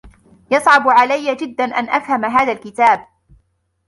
يصعب عليّ جدا أن أفهم هذا الكتاب.